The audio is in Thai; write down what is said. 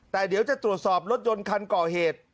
แต่เดี๋ยวจะตรวจสอบรถยนต์คันก่อเหตุ